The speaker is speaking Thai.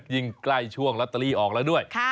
ยิ่งใกล้ช่วงลอตเตอรี่ออกแล้วด้วย